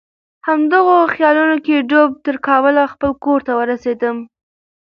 همدغو خیالونو کې ډوبه تر کابل خپل کور ته ورسېدم.